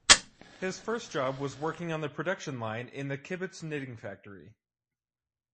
His first job was working on the production line in the kibbutz knitting factory.